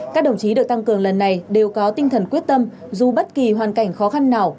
các đồng chí được tăng cường lần này đều có tinh thần quyết tâm dù bất kỳ hoàn cảnh khó khăn nào